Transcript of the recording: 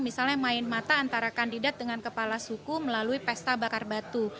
misalnya main mata antara kandidat dengan kepala suku melalui pesta bakar batu